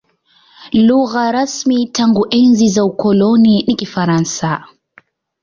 Lugha rasmi tangu enzi za ukoloni ni Kifaransa.